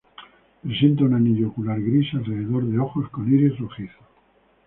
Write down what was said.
Presenta un anillo ocular gris alrededor de ojos con iris rojizo.